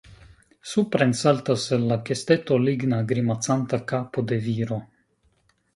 Supren saltas el la kesteto ligna grimacanta kapo de viro.